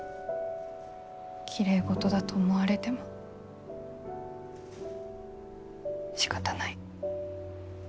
きれいごとだと思われてもしかたない。